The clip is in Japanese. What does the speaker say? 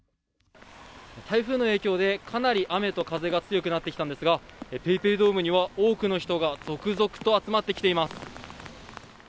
台風の影響でかなり雨と風が強くなってきたんですが、ＰａｙＰａｙドームには多くの人が続々と集まってきています。